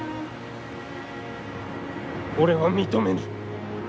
俺は認めぬ。